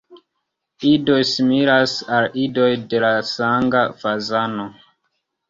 Idoj similas al idoj de la Sanga fazano.